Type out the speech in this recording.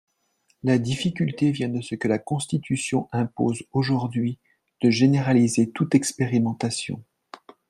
La difficulté vient de ce que la Constitution impose aujourd’hui de généraliser toute expérimentation.